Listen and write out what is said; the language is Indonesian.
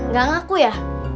gak ngaku ya